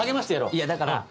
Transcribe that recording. いやだから。